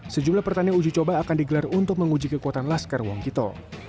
sejumlah pertandingan uji coba akan digelar untuk menguji kekuatan laskar wongkito